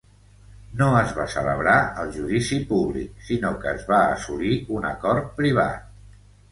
No es va celebrar el judici públic sinó que es va assolir un acord privat.